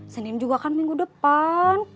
senin juga kan minggu depan